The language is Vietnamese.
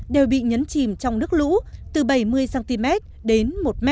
đều bị nhấn chìm trong nước lũ từ bảy mươi cm đến một m